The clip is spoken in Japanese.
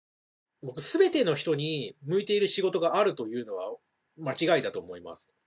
僕全ての人に向いている仕事があるというのは間違いだと思います。